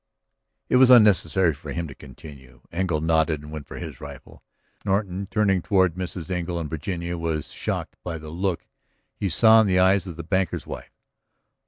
It was unnecessary for him to continue. Engle nodded and went for his rifle. Norton, turning toward Mrs. Engle and Virginia, was shocked by the look he saw in the eyes of the banker's wife.